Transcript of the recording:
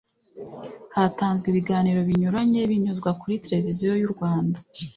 Hatanzwe ibiganiro binyuranye binyuzwa kuri televiziyo y u rwanda